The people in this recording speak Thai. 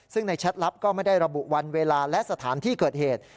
ซึ่งในแชทลับก็ไม่ได้ระบุวันเวลาและสถานที่เกิดเหตุ